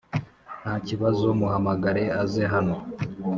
ntakibazo muhamagare aze hano.